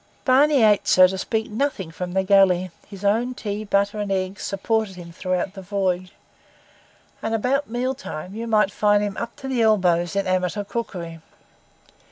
Barney ate, so to speak, nothing from the galley; his own tea, butter, and eggs supported him throughout the voyage; and about mealtime you might often find him up to the elbows in amateur cookery.